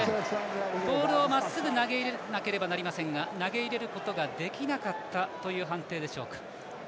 ボールをまっすぐ投げ入れなければいけませんが投げ入れることができなかったという判定でしょうか。